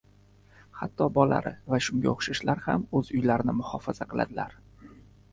hatto bolari va shunga o‘xshashlar ham o‘z uyalarini muhofaza qiladilar